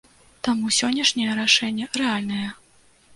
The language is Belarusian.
Таму сённяшняе рашэнне рэальнае.